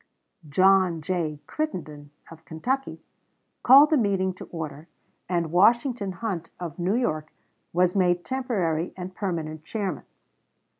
John J. Crittenden, of Kentucky, called the meeting to order, and Washington Hunt, of New York, was made temporary and permanent chairman.